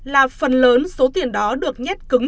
là phần lớn số tiền đó được nhét cứng